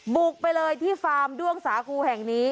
บุกไปเลยที่ฟาร์มด้วงสาคูแห่งนี้